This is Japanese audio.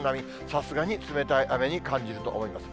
さすがに冷たい雨に感じると思います。